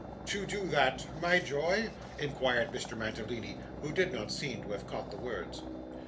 'To do that, my joy?' inquired Mr. Mantalini, who did not seem to have caught the words.